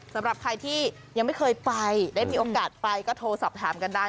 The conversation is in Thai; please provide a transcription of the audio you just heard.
สำหรับใครที่ยังไม่เคยไปได้มีโอกาสไปก็โทรสอบถามกันได้